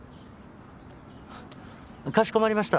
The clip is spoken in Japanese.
かしこまりました。